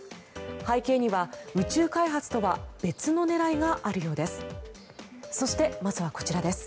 背景には宇宙開発とは別の狙いがあるようです。